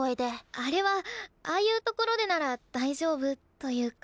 あれはああいうところでなら大丈夫というか。